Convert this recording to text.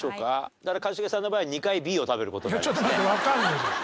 だから一茂さんの場合は２回Ｂを食べる事になりますね。